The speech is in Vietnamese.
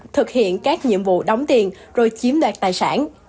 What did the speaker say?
thực hiện các nhiệm vụ đóng tiền rồi chiếm đoạt tài sản